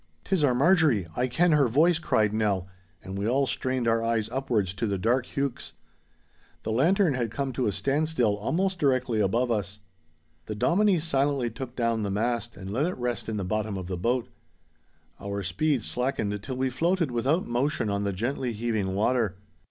''Tis our Marjorie! I ken her voice!' cried Nell, and we all strained our eyes upwards to the dark heuchs. The lantern had come to a standstill almost directly above us. The Dominie silently took down the mast and let it rest in the bottom of the boat. Our speed slackened till we floated without motion on the gently heaving water.